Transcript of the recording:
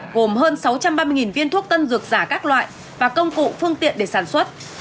gồm hơn sáu trăm ba mươi viên thuốc tân dược giả các loại và công cụ phương tiện để sản xuất